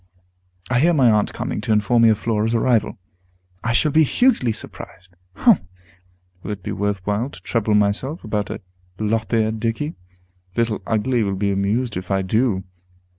I hear my aunt coming to inform me of Flora's arrival. I shall be hugely surprised! Humph! will it be worth while to trouble myself about the lop eared dickey? Little Ugly will be amused, if I do.